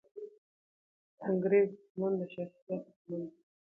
د انګریز دښمن د شاه شجاع دښمن دی.